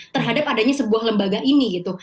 terhadap adanya sebuah lembaga ini gitu